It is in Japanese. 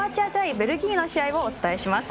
ベルギーの試合をお伝えします。